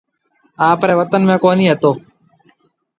آپرَي وطن ۾ ڪونهي هتو۔